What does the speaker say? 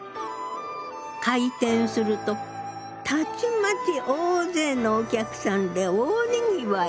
開店するとたちまち大勢のお客さんで大にぎわい。